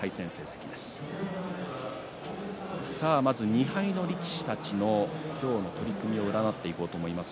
２敗の力士たちの今日の取組を占っていこうと思います。